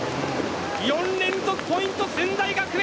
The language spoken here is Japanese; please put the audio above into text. ４連続ポイント、駿台学園。